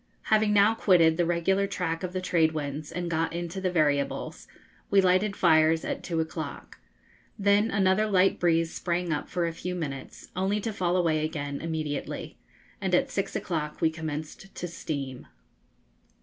Having now quitted the regular track of the trade winds and got into the variables, we lighted fires at two o'clock. Then another light breeze sprang up for a few minutes, only to fall away again immediately, and at six o'clock we commenced to steam.